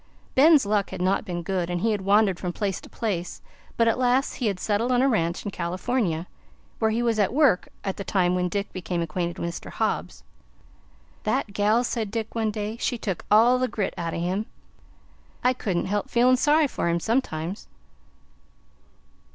Ben's luck had not been good, and he had wandered from place to place; but at last he had settled on a ranch in California, where he was at work at the time when Dick became acquainted with Mr. Hobbs. "That gal," said Dick one day, "she took all the grit out o' him. I couldn't help feelin' sorry for him sometimes."